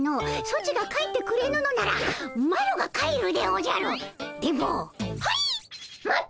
ソチが帰ってくれぬのならマロが帰るでおじゃるっ！